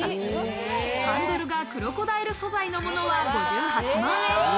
ハンドルがクロコダイル素材のものは５８万円。